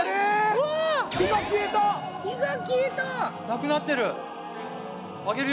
なくなってる！